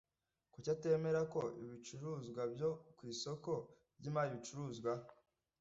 kuki atemerako ibicuruzwa byo ku isoko ry’imari bicuruzwa‽